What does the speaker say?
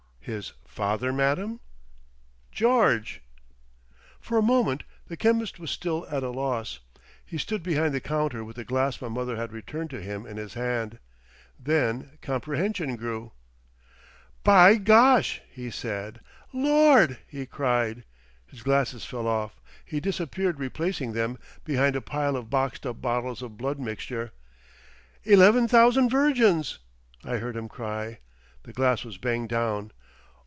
"His father, madam?" "George." For a moment the chemist was still at a loss. He stood behind the counter with the glass my mother had returned to him in his hand. Then comprehension grew. "By Gosh!" he said. "Lord!" he cried. His glasses fell off. He disappeared replacing them, behind a pile of boxed up bottles of blood mixture. "Eleven thousand virgins!" I heard him cry. The glass was banged down.